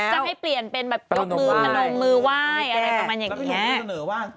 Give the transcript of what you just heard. ไม่ให้เปลี่ยนเป็นของมือเว้ายอะไรประมาณอย่างนี้